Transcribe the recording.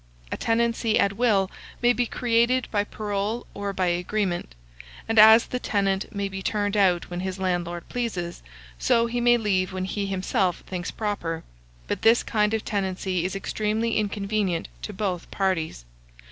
A tenancy at will may be created by parol or by agreement; and as the tenant may be turned out when his landlord pleases, so he may leave when he himself thinks proper; but this kind of tenancy is extremely inconvenient to both parties.